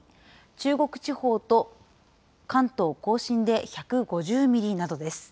中国地方と関東甲信で１５０ミリなどです。